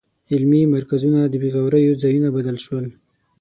علمي مرکزونه د بېغوریو ځایونو بدل شول.